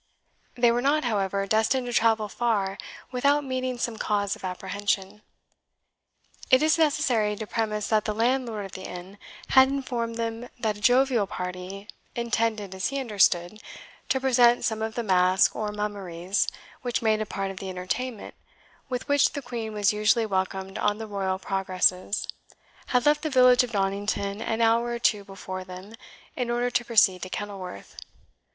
They were not, however, destined to travel far without meeting some cause of apprehension. It is necessary to premise that the landlord of the inn had informed them that a jovial party, intended, as he understood, to present some of the masques or mummeries which made a part of the entertainment with which the Queen was usually welcomed on the royal Progresses, had left the village of Donnington an hour or two before them in order to proceed to Kenilworth.